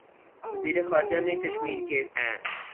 وزیر خارجہ نے کشمیر کے